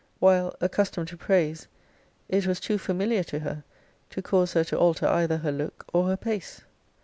While, accustomed to praise, it was too familiar to her, to cause her to alter either her look or her pace.